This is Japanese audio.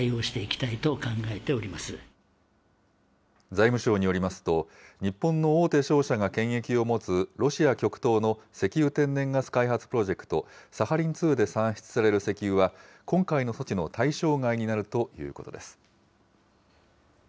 財務省によりますと、日本の大手商社が権益を持つロシア極東の石油・天然ガス開発プロジェクト、サハリン２で産出される石油は今回の措置の対象外になるということです。